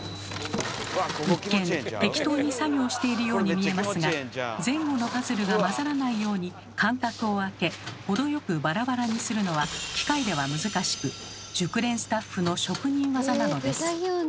一見適当に作業しているように見えますが前後のパズルが交ざらないように間隔を空け程よくバラバラにするのは機械では難しく熟練スタッフの職人技なのです。